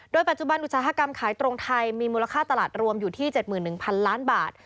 ปัจจุบันอุตสาหกรรมขายตรงไทยมีมูลค่าตลาดรวมอยู่ที่๗๑๐๐๐ล้านบาท